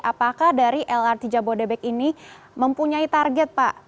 apakah dari lrt jabodebek ini mempunyai target pak